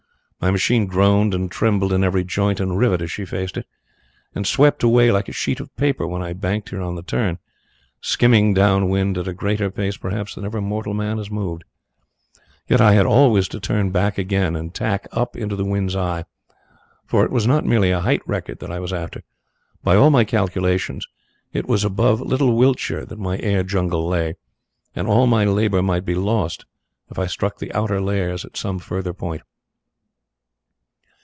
My machine groaned and trembled in every joint and rivet as she faced it, and swept away like a sheet of paper when I banked her on the turn, skimming down wind at a greater pace, perhaps, than ever mortal man has moved. Yet I had always to turn again and tack up in the wind's eye, for it was not merely a height record that I was after. By all my calculations it was above little Wiltshire that my air jungle lay, and all my labour might be lost if I struck the outer layers at some farther point.